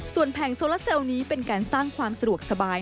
ส่วนแผงโซลาเซลล์นี้เป็นการสร้างความสะดวกสบาย